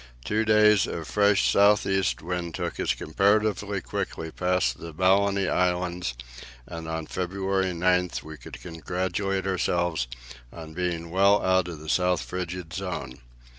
Two days of fresh south east wind took us comparatively quickly past the Balleny Islands, and on February 9 we could congratulate ourselves on being well out of the south frigid zone.